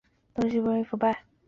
东西不容易腐败